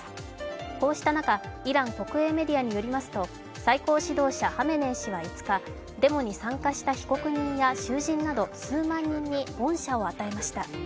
こうした中、イラン国営メディアによりますと、最高指導者ハメネイ師は５日デモに参加した被告人や囚人など数万人に恩赦を与えました。